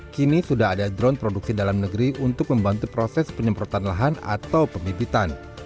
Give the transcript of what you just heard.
kini sudah ada drone produksi dalam negeri untuk membantu proses penyemprotan lahan atau pembibitan